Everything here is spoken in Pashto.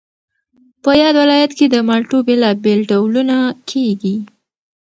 په یاد ولایت کې د مالټو بېلابېل ډولونه کېږي